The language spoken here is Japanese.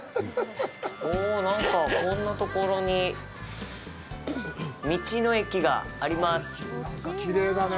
なんか、こんなところに道の駅があります。